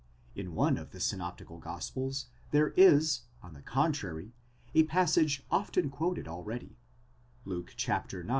In one of the synoptical gospels there is, on the contrary, a passage often quoted already (Luke ix.